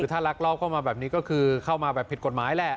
ถ้าลักลอบเข้ามาแบบนี้ก็คือเข้ามาแบบผิดกฎหมายแหละ